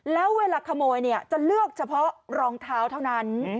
แล้วเวลาขโมยจะเลือกเฉพาะรองเท้าเท่านั้น